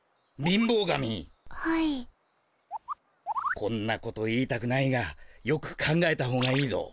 こんなこと言いたくないがよく考えたほうがいいぞ。